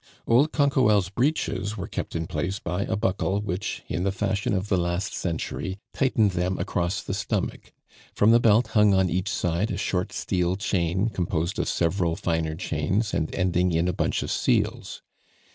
Old Canquoelle's breeches were kept in place by a buckle which, in the fashion of the last century, tightened them across the stomach; from the belt hung on each side a short steel chain, composed of several finer chains, and ending in a bunch of seals.